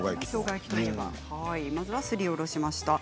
まずはすりおろしました。